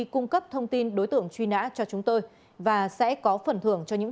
cảm ơn quý vị và các bạn